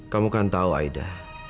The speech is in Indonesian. kamu kan tahu aida